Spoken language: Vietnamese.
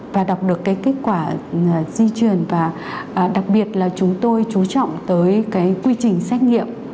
và đọc được cái kết quả di truyền và đặc biệt là chúng tôi chú trọng tới cái quy trình xét nghiệm